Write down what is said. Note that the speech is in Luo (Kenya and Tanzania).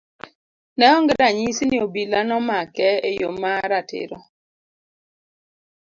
Ne onge ranyisi ni obila nomake e yo ma ratiro.